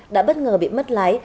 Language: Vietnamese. đã bất ngờ bị mất lái